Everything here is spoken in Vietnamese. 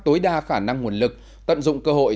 tối đa khả năng nguồn lực tận dụng cơ hội